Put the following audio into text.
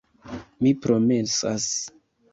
Mi promesas.